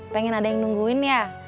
pengen ada yang nungguin ya